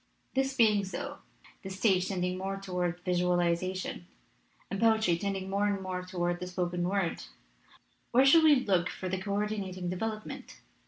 "This being so, the stage tending more tow ard visualization, and poetry tending more and more toward the spoken word, where shall we look for the co ordinating development?